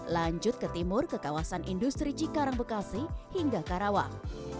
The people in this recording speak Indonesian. lanjut ke timur ke kawasan industri cikarang bekasi hingga karawang